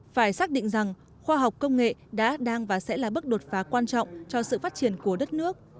phải xác định rằng khoa học công nghệ đã đang và sẽ là bước đột phá quan trọng cho sự phát triển của đất nước